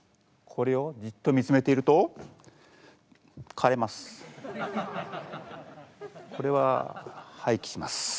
これをじっと見つめていると枯れます。